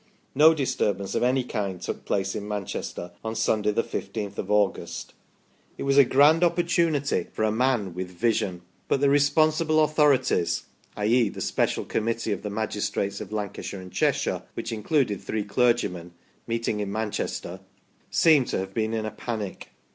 No disturbance of any kind took place in Manchester on Sunday, the 1 5th of August. It was a grand opportunity for a man with vision ; but the re sponsible authorities i.e. the special Committee of the magistrates of Lancashire and Cheshire (which included three clergymen) meeting in Manchester seem to have been in a panic.